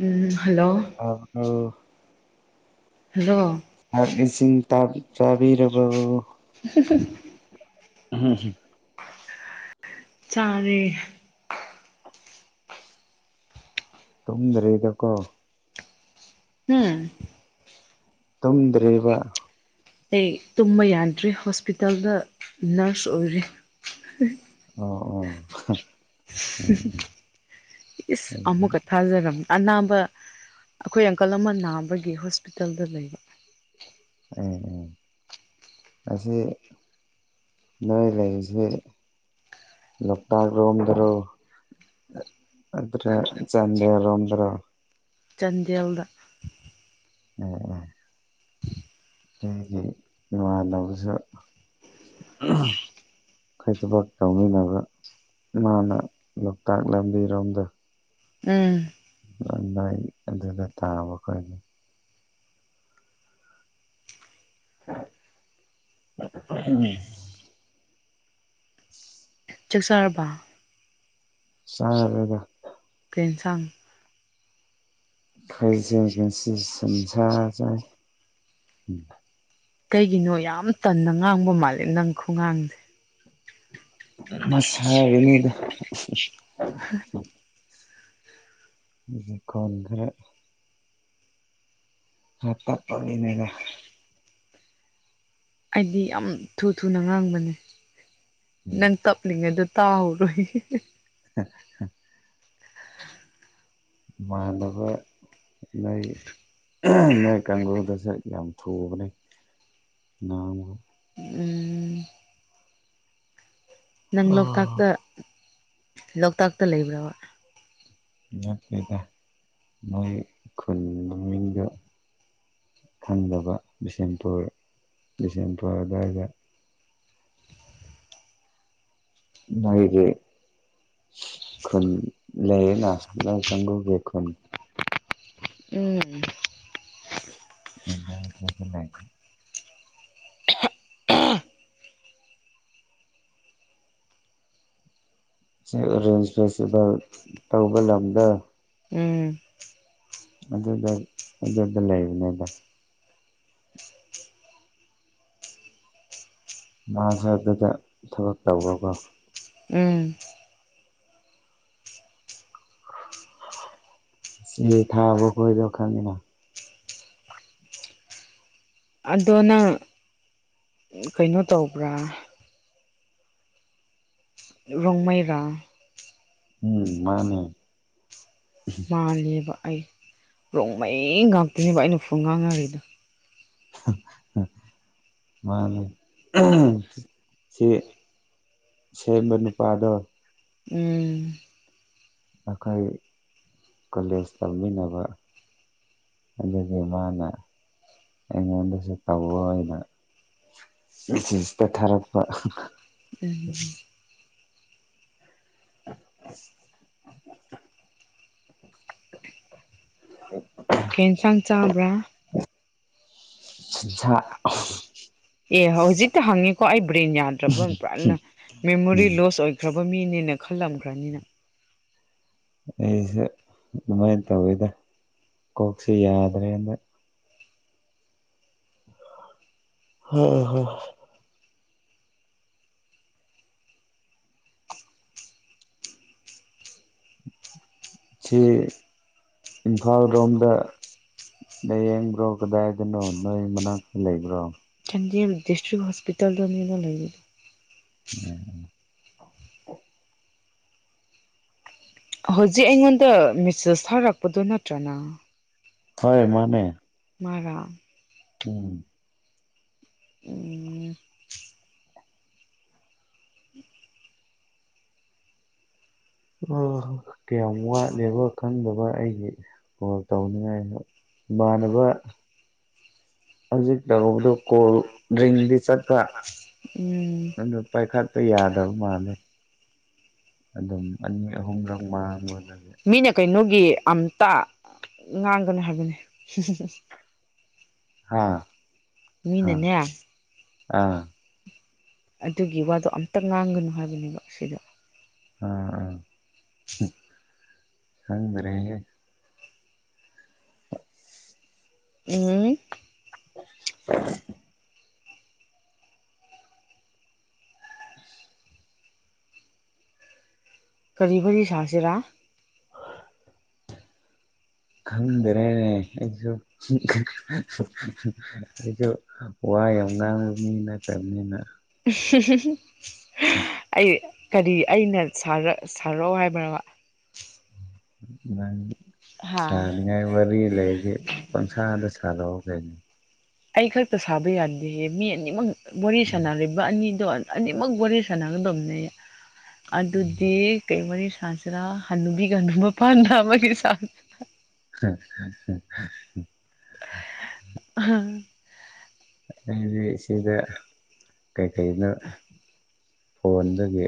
ꯎꯝ hello ꯑꯥ ꯑꯥ hello ꯆꯥꯥꯛ ꯏꯁꯤꯡ ꯆꯥꯕꯤꯔꯕꯕꯨ ꯍꯝ ꯍꯝ ꯆꯔꯦ ꯇꯨꯝꯗ꯭ꯔꯦꯗꯀꯣ ꯎꯝ ꯇꯝꯗ꯭ꯔꯦꯕꯥ ꯑꯩ ꯇꯨꯝꯕ ꯌꯥꯗ꯭ꯔꯦ ꯍꯣꯁꯄꯤꯇꯥꯜꯗ ꯅꯔꯁ ꯑꯣꯏꯔꯦ ꯑꯣ ꯑꯣ ꯎꯝ ꯏꯁ ꯑꯃꯃ ꯎꯝ ꯀꯊꯖꯝ ꯑꯅꯥꯕ ꯑꯩꯈꯣꯏ ꯑꯪꯀꯜ ꯑꯃ ꯅꯥꯕꯒꯤ ꯍꯣꯁꯄꯤꯇꯥꯜꯗ ꯂꯩꯕ ꯎꯝ ꯎꯝ ꯑꯁꯤꯁ ꯅ‌ꯪ ꯂꯩꯁ ꯂꯇꯒ꯭ꯔꯣꯗꯔꯣ ꯑꯗꯨꯗ꯭ꯔꯦ ꯆꯗꯔꯣꯗ꯭ꯔꯣ ꯆꯥꯟꯗꯦꯜꯗ ꯑꯣ ꯑꯩꯒꯤ ꯏꯃꯥꯟꯅꯕꯁꯨ ꯑꯩ ꯊꯕꯛ ꯇꯧꯃꯤꯟꯅꯕ ꯃꯥꯅ ꯂꯣꯛꯇꯥꯛ ꯂꯝꯕꯤꯔꯣꯝꯗ ꯎꯝ ꯂꯏ ꯑꯗꯨꯗ ꯇꯥꯕ ꯑꯩꯈꯣꯏꯅꯤ ꯎꯝ [unintelligible] ꯆꯥꯛꯆꯥꯔꯕ ꯁꯗ ꯇꯥꯡ ꯀꯩꯁꯦ ꯀꯟꯁꯤ ꯁꯨꯝꯖꯖꯦ ꯎꯝ ꯀꯩꯒꯤꯅꯣ ꯌꯥꯝ ꯇꯟꯅ ꯉꯥꯡꯕ ꯃꯥꯜꯂꯦ ꯅꯪ ꯈꯣꯡꯒꯥꯡꯁꯦ ꯃꯁꯒꯅꯤꯗꯥ ꯍꯥ ꯀꯗ꯭ꯔ ꯍꯥ ꯇꯞꯄꯒꯅꯦꯗ ꯑꯩꯗꯤ ꯌꯥꯝ ꯊꯨ ꯊꯨꯅ ꯉꯥꯡꯕꯅꯦ ꯎꯝ ꯅꯪ ꯇꯞꯂꯤꯉꯩꯗ ꯇꯥꯎꯔꯣ [unintelligible] ꯃꯥꯟꯅꯕ ꯂꯩ ꯅꯣꯏ ꯀꯥꯡꯒꯨꯗꯁꯨ ꯌꯥꯝ ꯊꯨꯕꯅꯦ ꯎꯝ ꯅꯪ ꯂꯣꯛꯇꯥꯛꯇ ꯂꯣꯛꯇꯥꯛꯇ ꯂꯩꯕ꯭ꯔꯕ ꯉꯠꯇꯗ ꯅꯣꯏ ꯈꯨꯗ ꯈꯪꯗꯕ ꯕꯤꯁꯦꯝꯄꯨꯔ ꯕꯤꯁꯦꯝꯄꯨꯔ ꯑꯗꯨꯋꯥꯏꯗ ꯑꯩꯒꯤ ꯈꯨꯟ ꯂꯩꯌꯦꯅ ꯂ ꯀꯥꯡꯕꯨꯨꯒꯤ ꯈꯨꯟ ꯎꯝ ꯏꯥꯏꯅ ꯑꯣꯔꯦꯟꯖ ꯐꯦꯁꯇꯤꯚꯦꯜ ꯇꯧꯕ ꯂꯝꯗ ꯎꯝ ꯑꯗꯨꯗ ꯑꯗꯨꯗ ꯂꯩꯕꯅꯦꯗ ꯃꯥꯁ ꯑꯗꯨꯗ ꯊꯕꯛ ꯇꯧꯕꯀꯣ ꯎꯝ ꯁꯤ ꯊꯥꯕ ꯈꯣꯏꯗ ꯈꯪꯅꯤꯅ ꯑꯗꯣ ꯅꯪ ꯀꯩꯅꯣ ꯇꯧꯕ꯭ꯔꯥ ꯔꯣꯡꯃꯩꯔꯥ ꯎꯝ ꯃꯥꯅꯦ ꯃꯥꯂꯕ ꯑꯩ ꯔꯣꯡ ꯃꯩ ꯉꯥꯛꯇꯣꯏꯅꯦꯕ ꯑꯩꯅ ꯐꯨ ꯉꯥꯡꯅꯔꯤꯗ ꯃꯥꯅꯦ ꯁꯤ ꯁꯦꯝꯕ ꯅꯨꯄꯥꯗꯣ ꯎꯝ ꯑꯩꯈꯣꯏ ꯀꯣꯂꯦꯖ ꯇꯧꯃꯤꯟꯅꯕ ꯑꯗꯨꯗꯤ ꯃꯥꯅ ꯑꯩꯉꯣꯟꯗꯁꯨ ꯇꯧꯋ ꯑꯣꯏꯅ ꯇꯠ ꯊꯥꯔꯛꯄ ꯎꯝ ꯑ ꯎ ꯀꯩ ꯏꯟꯁꯥꯡ ꯆꯥꯕ꯭ꯔꯥ ꯑꯆꯥꯆꯥ ꯑꯦ ꯍꯧꯖꯤꯛꯇ ꯍꯪꯉꯤꯀꯣ ꯑꯩ ꯕ꯭ꯔꯦꯟ ꯌꯥꯗ꯭ꯔꯕ ꯄꯨꯅ ꯃꯦꯃꯣꯔꯤ ꯎꯝ ꯂꯣꯁ ꯑꯣꯏꯈ꯭ꯔꯕ ꯃꯤꯦꯅꯤꯅ ꯈꯒ꯭ꯔꯥꯅꯤꯅ ꯑꯩꯁꯦ ꯑꯗꯨꯃꯥꯏꯅ ꯇꯧꯋꯤꯗ ꯀꯣꯛꯁꯤ ꯌꯥꯗ꯭ꯔꯦꯅ ꯑꯣꯝ ꯁꯤ ꯏꯝꯐꯥꯜ ꯔꯣꯝꯗ ꯅ ꯌꯦꯡꯕ꯭ꯔꯣ ꯀꯗꯥꯏꯗꯅꯣ ꯅꯣꯏ ꯃꯅꯥꯛꯇ ꯂꯩꯕ꯭ꯔꯣ ꯆꯥꯟꯗꯦꯜ ꯗꯤꯁꯇ꯭ꯔꯤꯛ ꯍꯣꯁꯄꯤꯇꯥꯜꯗꯅꯤꯅ ꯂꯩꯔꯤꯗ ꯎꯝꯝ ꯍꯧꯖꯤꯛ ꯑꯩꯉꯣꯟꯗ ꯃꯦꯁꯦꯁ ꯊꯥꯔꯛꯄꯗꯨ ꯅꯠꯇ꯭ꯔꯅ ꯍꯣꯏ ꯃꯥꯅꯦ ꯃꯥꯥꯡ ꯎꯝ ꯑꯣ ꯑ ꯀ ꯂꯩꯕ ꯈꯪꯗꯕ ꯑꯩꯒꯤ ꯀꯣꯜ ꯇꯧꯅꯤꯡꯉꯥꯏ ꯏꯃꯅꯕ ꯍꯧꯖꯤꯛ ꯇꯧꯕꯗ ꯀꯣꯜ ꯗ꯭ꯔꯤꯡꯗꯤ ꯆꯠꯄ ꯎꯝ ꯑꯗꯨ ꯄꯥꯏꯈꯠꯄ ꯌꯥꯏ ꯌꯥꯗꯕꯨ ꯃꯥꯅꯦ ꯑꯗꯨꯝ ꯑꯅꯤ ꯑꯍꯨꯝꯔꯛ ꯃꯥꯡ ꯑꯣꯏꯔꯒꯦ ꯒꯤ ꯑꯝꯇ ꯉꯥꯡꯒꯅꯤ ꯍꯥꯏꯕꯅꯤ ꯍꯥ ꯃꯤ ꯍꯥ ꯃꯅꯦ ꯑꯥ ꯑꯗꯨꯒꯤ ꯋꯥꯗꯣ ꯑꯝꯇ ꯉꯥꯡꯒꯅꯨ ꯍꯥꯏꯕꯅꯦꯕ ꯁꯤꯗ ꯑꯥ ꯑ ꯍꯗ꯭ꯔꯦ ꯎꯝ [unintelligible] ꯀꯔꯤ ꯐꯔꯤ ꯁꯥꯁꯤꯔꯥ ꯈꯪꯗꯔꯦꯅꯦꯁꯨꯁꯨ ꯋꯥ ꯌꯥꯝ ꯉꯥꯡꯕ ꯃꯤ ꯅꯠꯇꯕꯅꯤꯅ ꯑꯩꯗꯤ ꯀꯔꯤ ꯑꯩꯅ ꯁꯥꯔꯛꯑꯣ ꯍꯥꯏꯕ꯭ꯔ ꯅꯪ ꯁꯥꯅꯤꯡꯉꯥꯏ ꯋꯥꯔꯤ ꯂꯩꯗꯤ ꯄꯪꯁꯥꯗ ꯁꯥꯔꯛꯑꯣ ꯂꯩ ꯑꯩ ꯈꯛꯇ ꯁꯥꯕ ꯌꯥꯗꯦꯍꯦ ꯃꯤ ꯑꯅꯤꯃꯛ ꯋꯥꯔꯤ ꯎꯝ ꯁꯥꯟꯅꯔꯤꯕ ꯑꯅꯤ ꯑꯅꯤꯃꯛ ꯋꯥꯔꯤ ꯁꯥꯟꯅꯒꯗꯕꯅꯦ ꯎꯝ ꯑꯗꯨꯗꯤ ꯀꯩ ꯋꯥꯔꯤ ꯁꯥꯖꯔ ꯍꯅꯨꯕꯤ ꯀꯕ ꯄꯥꯟꯗꯥ ꯃꯥꯒꯤ ꯁꯥ [unintelligible] ꯎꯝ ꯑꯗꯤ ꯁꯤꯗ ꯀ ꯀꯩ ꯀꯩꯨ ꯐꯣꯟꯗꯒꯤ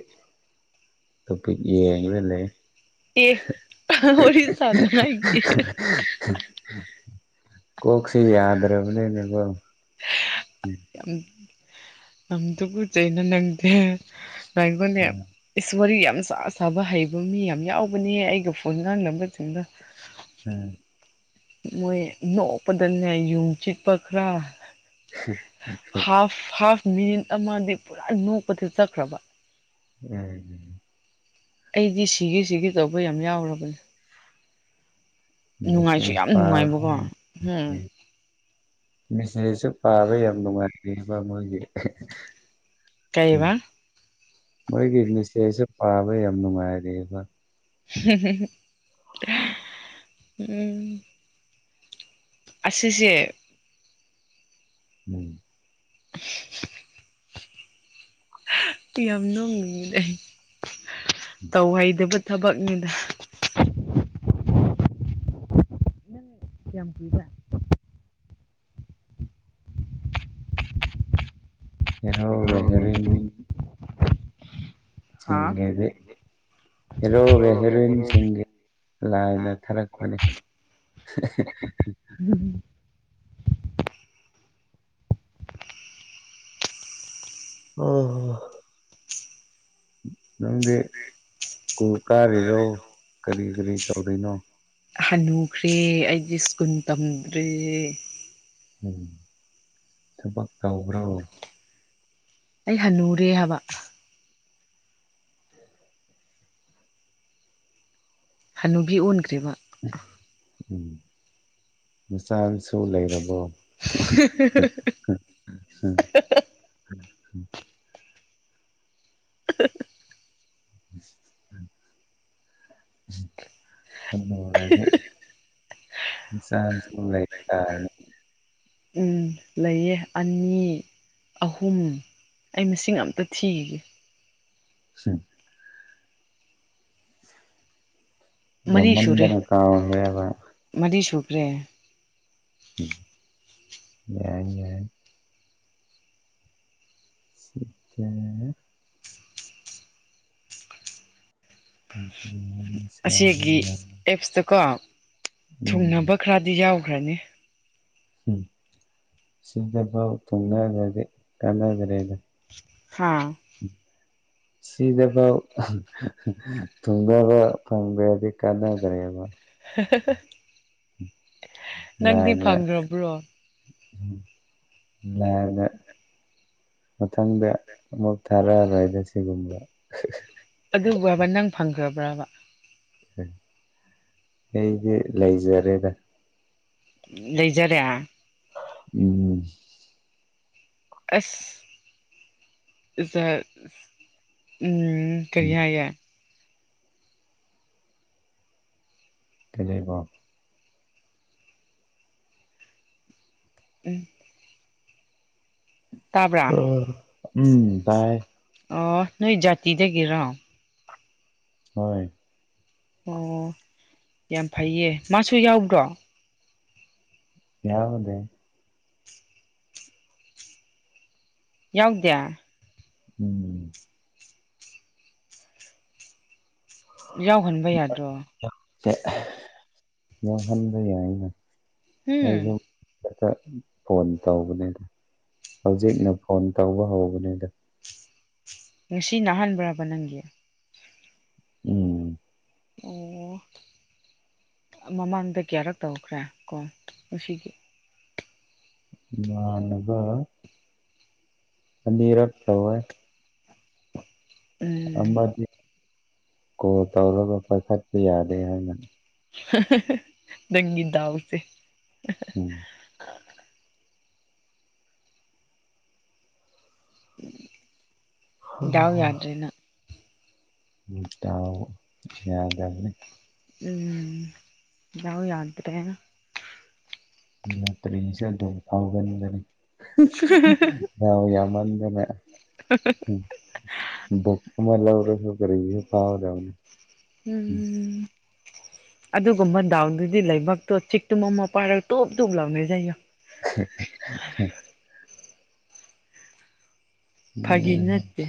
ꯇꯣꯄꯤꯛ ꯌꯦꯡꯂꯡꯒ ꯂꯩ ꯑꯦ ꯍꯔꯤ ꯁꯥꯅ ꯍꯥꯏ ꯀꯣꯛꯁꯤ ꯌꯥꯗ꯭ꯔꯕꯅꯤꯅꯦꯀꯣ ꯎꯝ ꯌꯥꯝꯝꯗꯨ ꯀ ꯆꯩꯩꯅ ꯅꯪꯗꯦ ꯉꯈꯣꯟꯅꯦ ꯏꯁꯔꯤ ꯌꯥꯝ ꯌꯥꯝ ꯆꯥ ꯁꯥꯥꯕ ꯍꯩꯕ ꯃꯤ ꯌꯥꯝ ꯌꯥꯎꯕꯅꯦ ꯑꯩꯒ ꯐꯣꯟ ꯉꯥꯡꯅꯕꯁꯤꯡꯗ ꯎꯝ ꯃꯣꯏ ꯅꯣꯛꯄꯗꯅꯦ ꯌꯨꯝ ꯆꯤꯛꯄ ꯈꯔ ꯍꯥꯐ [unintelligible] ꯍꯥꯐ ꯃꯤꯅꯤꯠ ꯑꯃꯗꯤ ꯄꯨꯔꯥ ꯅꯣꯛꯄꯁꯦ ꯆꯠꯈ꯭ꯔꯕ ꯎꯝꯝ ꯑꯩꯗꯤ ꯁꯤꯒꯤ ꯁꯤꯒꯤ ꯇꯧꯕ ꯌꯥꯝ ꯌꯥꯎꯔꯕꯅꯦ ꯅꯨꯡꯉꯥꯏꯁꯨ ꯁꯦꯁ ꯌꯥꯝ ꯄꯥꯎ ꯅꯨꯡꯉꯥꯏꯕꯀꯣ ꯎꯝ ꯃꯤꯁꯔꯤꯁꯨ ꯄꯥꯕ ꯌꯥꯝ ꯅꯨꯡꯉꯥꯏꯕ ꯃꯣꯏꯒꯤ ꯀꯩꯕ ꯃꯣꯏꯒꯤꯅꯁꯦꯁ ꯄꯥꯕ ꯌꯥꯝꯅꯅꯨꯡ ꯃꯥꯔꯕ ꯎꯝ ꯑꯁꯦꯁꯦ ꯎꯝ [unintelligible] ꯇꯤ ꯌꯥꯝꯅ ꯃꯤ ꯇꯧꯍꯩꯗꯕ ꯊꯕꯛꯅꯤꯗ ꯀ ꯀꯖ ꯍꯔꯣ ꯦꯍꯔꯤꯟ ꯍꯥꯥ ꯆꯒꯗꯤ ꯍꯤꯔꯣꯒ ꯍꯦꯔꯣꯏꯟꯁꯤꯡꯒꯤ ꯂꯥꯏꯗ ꯊꯥꯔꯛꯄꯅꯤ [unintelligible] ꯑꯣ ꯅꯦ ꯀꯨ ꯇꯥꯔꯦꯔꯣ ꯀꯔꯤ ꯀꯔꯤ ꯇꯧꯔꯤꯅꯣ ꯍꯟꯅꯨꯈ꯭ꯔꯦ ꯑꯩꯗꯤ ꯁ꯭ꯀꯨꯜ ꯇꯝꯗ꯭ꯔꯦ ꯎꯝ ꯊꯕꯛ ꯇꯕ꯭ꯔꯣ ꯑꯩ ꯍꯅꯨꯔꯦ ꯍꯥꯏꯕ ꯍꯅꯨꯕꯤ ꯑꯣꯟꯈ꯭ꯔꯦꯔꯤꯕ ꯃꯆꯥꯥꯟꯁꯨ ꯂꯩꯔꯕꯣ [unintelligible] ꯎꯝ ꯑꯗꯨꯔꯗꯤ ꯏꯟꯁꯥꯟꯁ ꯂꯩ ꯎꯝ ꯂꯩꯌꯦ ꯑꯅꯤ ꯑꯍꯨꯝ ꯑꯩ ꯃꯁꯤꯡ ꯑꯝꯇ ꯊꯤꯒꯦ ꯁꯤ ꯃꯔꯤ ꯁꯨꯔꯦ ꯌꯥꯝꯃꯟꯗꯅ ꯀꯥꯎꯈ꯭ꯔꯦꯕ ꯃꯔꯤ ꯁꯨꯈ꯭ꯔꯦ ꯝ ꯌꯥ ꯁꯤ ꯀꯦ ꯎ ꯑꯁꯤꯒꯤ ꯑꯦꯞꯁꯇꯀꯣ ꯎꯝ ꯊꯨꯡꯅꯕ ꯈꯔꯗꯤ ꯌꯥꯎꯈ꯭ꯔꯅꯤ ꯎꯝ ꯁꯤꯗꯐꯥꯎ ꯊꯨꯡꯅꯈ꯭ꯔꯗꯤ ꯀꯥꯟꯅꯈ꯭ꯔꯦꯗ ꯍꯥꯥ ꯁꯤꯗꯐꯥꯎ ꯊꯨꯡꯗꯕ ꯐꯪꯗ꯭ꯔꯦꯗꯤ ꯀꯥꯟꯅꯗ꯭ꯔꯦꯕ [unintelligible] [unintelligible] ꯅꯪꯗꯤ ꯐꯪꯈ꯭ꯔꯕ꯭ꯔꯣ ꯎ ꯂꯥꯏꯔꯗ ꯃꯊꯪꯗ ꯑꯃꯨꯛ ꯊꯥꯔꯛꯑꯔꯣꯏꯗ ꯁꯤꯒꯨꯝꯕ ꯑꯗꯨꯕ ꯅꯪ ꯐꯪꯈ꯭ꯔꯕ꯭ꯔꯕ ꯎ ꯑꯩꯗꯤ ꯂꯩꯖꯔꯦꯗ ꯂꯩꯖꯔꯦ ꯎꯝ ꯑꯁ ꯎꯝ ꯎ ꯀꯔꯤꯌꯥ ꯌꯥꯦ ꯀꯩꯅꯕꯣ ꯎꯝ ꯇꯥꯕ꯭ꯔꯥ ꯑ ꯎꯝ ꯥꯏ ꯑꯣ ꯅꯣꯏ ꯖꯥꯇꯤꯗꯒꯤꯔꯣ ꯍꯣꯏ ꯑꯣ ꯌꯥꯝ ꯐꯩꯌꯦ ꯃꯥꯁꯨ ꯌꯥꯎꯕ꯭ꯔꯣ ꯌꯥꯎꯗꯦ ꯌꯎꯗꯌꯥ ꯎꯝ ꯌꯥꯎꯍꯟꯕ ꯌꯥꯗ꯭ꯔꯣ ꯌꯥꯎꯍꯟꯖꯦ ꯑꯩꯅ ꯎꯝ ꯑꯩꯁꯨ ꯐꯣꯟ ꯇꯧꯕꯅꯤꯅ ꯍꯧꯖꯤꯛꯅ ꯐꯣꯟ ꯇꯧꯕ ꯍꯧꯕꯅꯤꯗ ꯉꯁꯤ ꯅꯥꯍꯟꯕ꯭ꯔꯕ ꯅꯪꯒꯤ ꯎꯝ ꯑꯣ ꯃꯃꯥꯡꯗ ꯀꯌꯥꯔꯛ ꯇꯧꯈ꯭ꯔꯦ ꯀꯣ ꯉꯁꯤꯒꯤ ꯃꯥ ꯑꯅꯕ ꯑꯅꯤꯔꯛꯇ ꯇꯧꯣꯏ ꯎꯝ ꯑꯃꯗꯤ ꯀꯣ ꯇꯧꯔꯒ ꯄꯥꯏꯈꯠꯄ ꯌꯥꯗꯦ ꯍꯥꯏꯅꯅ ꯗꯪꯒꯤꯗꯥꯥꯎꯁꯦ ꯎꯝ ꯗꯥꯎ ꯌꯥꯗꯅ ꯎꯠꯇ ꯌꯥꯗꯅꯤꯅꯤ ꯎꯝ ꯌꯥꯎ ꯌꯥꯗ꯭ꯔꯦ ꯂꯇꯔꯤꯦꯟꯁ ꯑꯗꯨꯗꯧꯕ ꯊꯥꯎꯒꯅꯤꯗꯅꯤ ꯍ ꯌꯥꯝꯃꯗꯅ ꯃꯔꯁꯨꯔꯤ ꯐꯥꯗ ꯎꯝ ꯑꯗꯨꯒꯨꯝꯕ ꯗꯥꯎꯗꯨꯗꯤ ꯂꯩꯕꯛꯇꯣ ꯆꯤꯛꯇꯨꯝ ꯑꯃ ꯄꯥꯏꯔꯒ ꯇꯣꯞ ꯇꯣꯞ ꯂꯥꯎꯅꯖꯩꯣ [unintelligible] ꯐꯒꯦ ꯅꯆ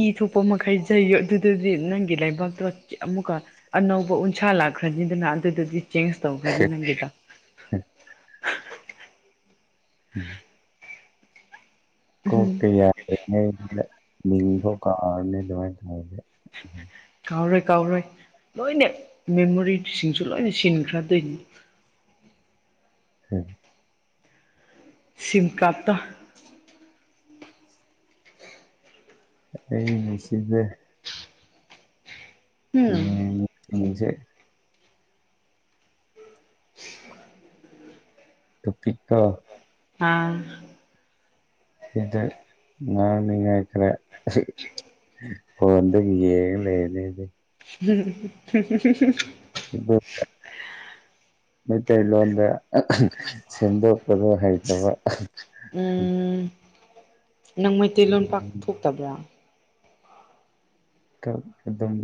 ꯏ ꯊꯣꯛꯄ ꯃꯈꯩ ꯂꯩꯩꯨ ꯑꯗꯨꯗꯗꯤ ꯅꯪꯒꯤ ꯂꯩꯕꯥꯛꯇꯣ ꯑꯃꯨꯛꯀ ꯑꯅꯧꯕ ꯎꯟꯁꯥ ꯂꯥꯛ ꯈꯖꯗ ꯅꯥꯟꯗꯗꯗꯤ ꯆꯦꯟꯖ ꯇꯧ ꯈꯖꯪꯗ ꯎꯝ ꯀꯣ ꯎꯝ ꯌꯥ ꯀꯔ ꯇꯦ ꯀꯥꯎꯔꯣꯏ ꯀꯥꯎꯔꯣꯏ ꯂꯣꯏꯅ ꯃꯦꯃꯣꯔꯤꯁꯤꯡꯁꯨ ꯂꯣꯏꯅ ꯁꯤꯟꯈ꯭ꯔꯗꯣꯏꯅꯤ ꯍꯝ ꯁꯤꯜꯀꯥꯞꯇ ꯑꯩ ꯃꯁꯤꯁꯤꯗꯦ ꯎꯝ ꯑꯁꯦ [unintelligible] ꯇ ꯄꯀ ꯑ ꯁꯤꯇ ꯉꯔ ꯃꯤ ꯀꯥꯏꯈ꯭ꯔꯦ ꯐꯣꯟꯗ ꯌꯦꯡꯉ ꯂꯩ ꯂꯩꯗꯤ ꯊꯦꯦ ꯊꯦ ꯊꯦꯦ ꯔ ꯃꯩꯇꯩ ꯂꯣꯟꯗ ꯁꯦꯝꯗꯣꯛꯄꯗꯣ ꯍꯩꯇꯕ ꯎꯝ ꯅꯪ ꯃꯩꯇꯩ ꯂꯣꯟ ꯄꯥꯛ ꯊꯣꯛꯇꯕ꯭ꯔꯥ ꯇ ꯑꯦꯗꯝꯝ